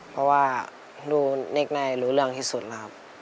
เพราะว่าหนูเน็กนายรู้เรื่องที่สุดครับ